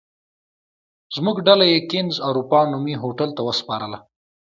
زموږ ډله یې کېنز اروپا نومي هوټل ته وسپارله.